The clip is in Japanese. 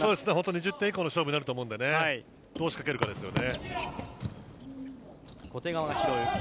１０点以降の勝負になると思うのでどう仕掛けるかですよね。